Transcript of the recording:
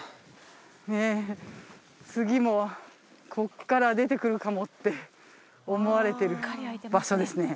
ねえ次もこっから出てくるかもって思われてる場所ですね